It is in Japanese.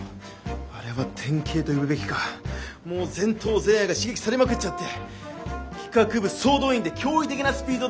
あれは天啓と呼ぶべきかもう前頭前野が刺激されまくっちゃって企画部総動員で驚異的なスピードで完成させたよ。